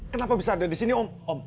kenapa bisa ada disini om